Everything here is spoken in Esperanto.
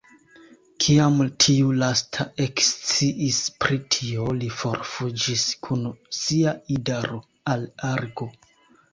Kiam tiu lasta eksciis pri tio, li forfuĝis kun sia idaro al Argo.